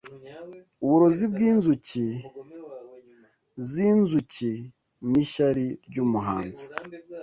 Uburozi bwinzuki zinzuki Nishyari ryumuhanzi